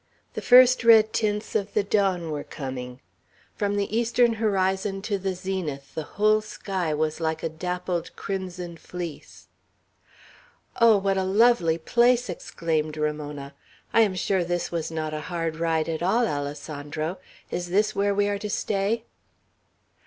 The first red tints of the dawn were coming. From the eastern horizon to the zenith, the whole sky was like a dappled crimson fleece. "Oh, what a lovely place." exclaimed Ramona. "I am sure this was not a hard ride at all, Alessandro! Is this where we are to stay?"